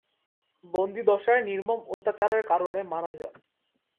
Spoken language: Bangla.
বন্দিদশায় নির্মম অত্যাচারের কারণে মারা যান।